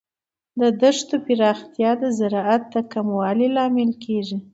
د دښتو پراختیا د زراعت د کموالي لامل کیږي.